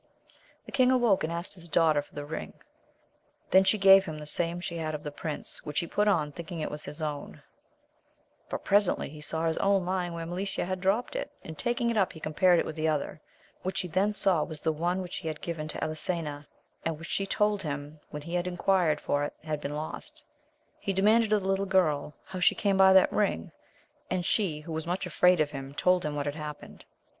The king awoke, and asked his daughter for the ring; then gave she him the same she had of the prince, which he put on, thinking it was his own : but pre sently he saw his own lying where Melicia had dropt ity and taking it up he compared it with the other, which he then saw was the one which he had given to Elisena, and which she told him, when he had en quired for it, had been lost. He demanded of the little girl how she pame by that ring ; and she, who was much afraid of him, told him what had happened.